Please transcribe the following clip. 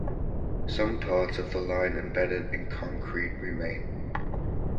Some parts of the line embedded in concrete remain.